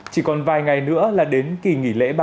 chỉ còn vài ngày nữa là đến kỳ nghỉ lễ